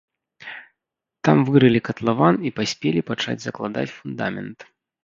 Там вырылі катлаван і паспелі пачаць закладаць фундамент.